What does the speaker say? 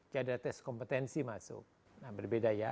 jadi ada tes kompetensi masuk nah berbeda ya